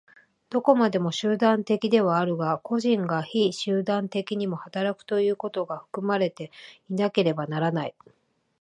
どこまでも集団的ではあるが、個人が非集団的にも働くということが含まれていなければならない。